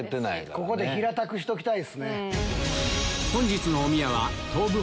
ここで平たくしときたい。